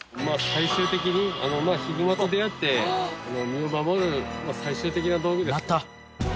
最終的にヒグマと出会って身を守る最終的な道具です。